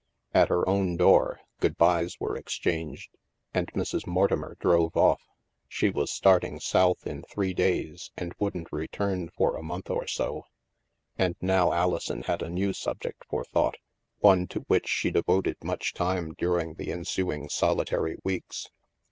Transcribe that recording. At her own door, good byes were exchanged, and Mrs. Morti mer drove off. She was starting South in three days and wouldn't return for a month or so. And now Alison had a new subject for thought, one to which she devoted much time during the ensuing solitary weeks.